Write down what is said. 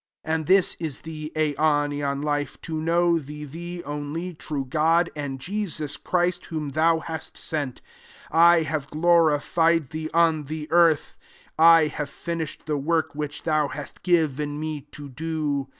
3 And this is the aioniiA life, to know thee the only troe God, and Jesus Chrbt whoqi thou hast sent.t 4 1 have glori£od thee on the earth : I have finish ed the work which thou hast given me to do.